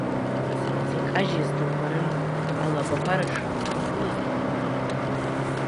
Зынӡа икажьыз дубарын, алабақәа рыҽрынҵаны игылаз дубарын.